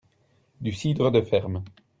Du cidre de ferme.